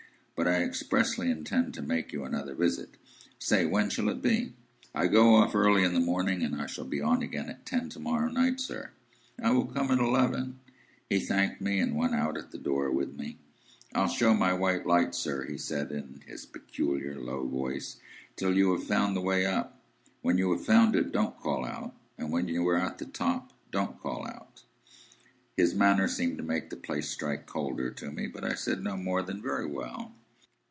"But I expressly intend to make you another visit. Say, when shall it be?" "I go off early in the morning, and I shall be on again at ten to morrow night, sir." "I will come at eleven." He thanked me, and went out at the door with me. "I'll show my white light, sir," he said, in his peculiar low voice, "till you have found the way up. When you have found it, don't call out! And when you are at the top, don't call out!" His manner seemed to make the place strike colder to me, but I said no more than, "Very well."